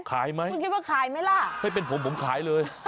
ขายมั้ยคุณคิดว่าขายมั้ยล่ะไม่เป็นผมผมขายเลย